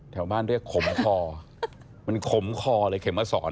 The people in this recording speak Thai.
แถวบ้านเรียกขมคอมันขมคอเลยเข็มมาสอน